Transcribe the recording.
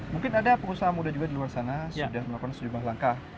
mungkin ada pengusaha muda juga di luar sana sudah melakukan sejumlah langkah